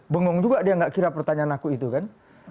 bengong juga dia nggak kira pertanyaan aku itu kan